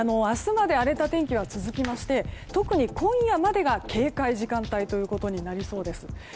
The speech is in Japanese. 明日まで荒れた天気は続きまして特に今夜までが警戒時間帯になりそうです。